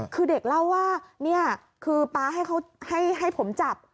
คือเด็กเล่าว่านี่คือป๊าให้เขาให้ผมจับ